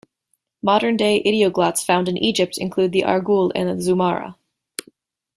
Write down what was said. Modern-day idioglots found in Egypt include the arghul and the zummara.